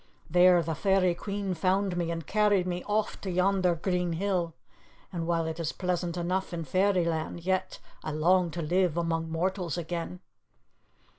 There the Fairy Queen found me, and carried me off to yonder green hill. And while it is pleasant enough in fairyland, yet I long to live among mortals again."